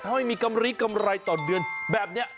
ถ้าไม่มีกำลีเกิดเกิดอะไรต่อเดือนแบบนี้